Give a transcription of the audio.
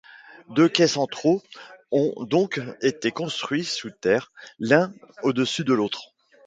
Deux quais centraux ont donc été construits sous terre l'un au-dessus de l'autre.